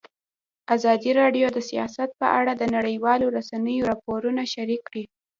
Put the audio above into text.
ازادي راډیو د سیاست په اړه د نړیوالو رسنیو راپورونه شریک کړي.